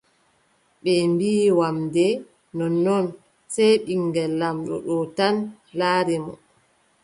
Ɓe mbiʼi wamnde nonnnon, sey ɓiŋngel laamɗo ɗo tan laari mo.